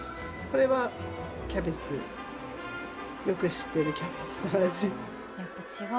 これはキャベツよく知ってるキャベツの味。